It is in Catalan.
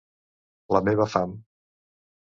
La meva fam